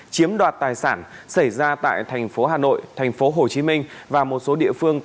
chiếm đoạt tài sản xảy ra tại thành phố hà nội thành phố hồ chí minh và một số địa phương